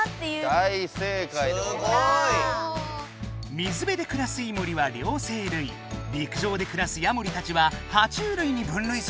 水べでくらすイモリは両生類りく上でくらすヤモリたちはは虫類に分類されるんだって。